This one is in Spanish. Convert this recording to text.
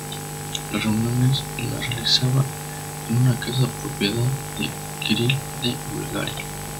Las reuniones las realizaba en una casa propiedad de Kiril de Bulgaria.